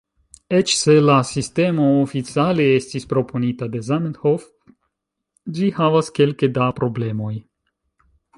Eĉ se la sistemo oficiale estis proponita de Zamenhof, ĝi havas kelke da problemoj.